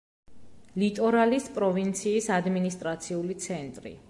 ლიტორალის პროვინციის ადმინისტრაციული ცენტრი.